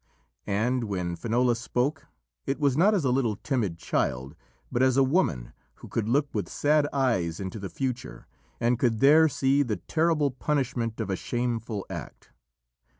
And when Finola spoke, it was not as a little timid child, but as a woman who could look with sad eyes into the future and could there see the terrible punishment of a shameful act.